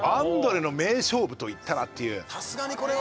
さすがにこれは。